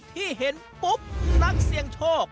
ที่เห็นปุ๊บนักเสี่ยงโชค